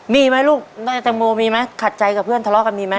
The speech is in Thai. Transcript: มีไหมลูกในตังโมมีมั้ยขัดใจกับเพื่อนทะเลาะกันมีมั้ย